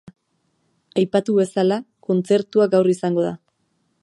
Aipatu bezala, kontzertua gaur izango da.